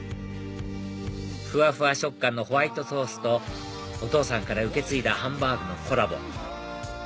ふわふわ食感のホワイトソースとお父さんから受け継いだハンバーグのコラボ